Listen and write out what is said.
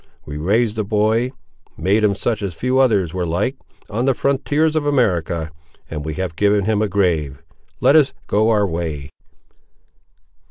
We raised the boy, and made him such as few others were like, on the frontiers of America; and we have given him a grave. Let us go our way."